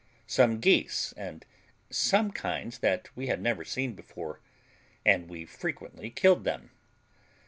some geese, and some kinds that we had never seen before; and we frequently killed them.